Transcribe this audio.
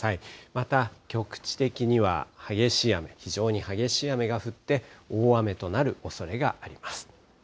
また、局地的には激しい雨、非常に激しい雨が降って、大雨となるおそれがあります。